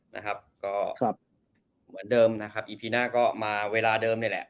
นะครับก็เหมือนเดิมนะครับอีพีหน้าก็มาเวลาเดิมนี่แหละ